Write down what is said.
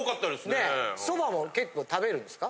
そばも結構食べるんですか？